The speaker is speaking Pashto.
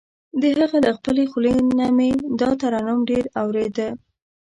د هغه له خپلې خولې نه مې دا ترنم ډېر اورېده.